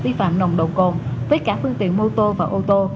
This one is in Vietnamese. vi phạm nồng độ cồn với cả phương tiện mô tô và ô tô